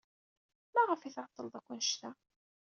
Maɣef ay tɛeḍḍled akk anect-a?